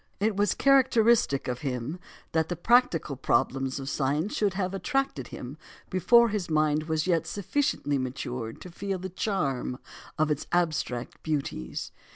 It was characteristic of him that the practical problems of science should have attracted him before his mind was as yet sufficiently matured to feel the charm of its abstract beauties.